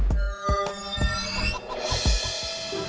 sambil berbicara sama atta put